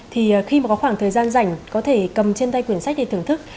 thì khi mà có khoảng thời gian rảnh có thể cầm trên tay quyển sách để thưởng thức